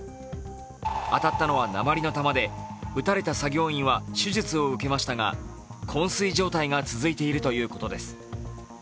当たったのは鉛の弾で、撃たれた作業員は手術を受けましたが、こん睡状態が続いているということです。